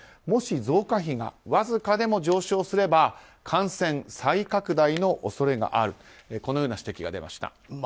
もし増加比がわずかでも上昇すれば感染再拡大の恐れがあるという指摘が出ました。